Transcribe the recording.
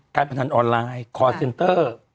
กลายเป็นทางออนไลน์คอร์เซ็นเตอร์